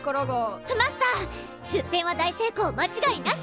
マスター出店は大成功まちがいなし！